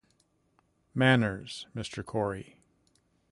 Manners, Mister Cory.